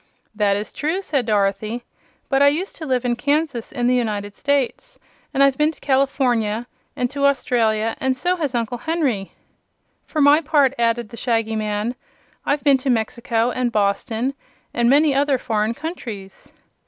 "That is true," said Dorothy; "but I used to live in Kansas, in the United States, and I've been to California and to Australia and so has Uncle Henry." "For my part," added the Shaggy Man, "I've been to Mexico and Boston and many other foreign countries."